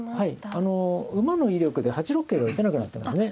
あの馬の威力で８六桂が打てなくなったんですね。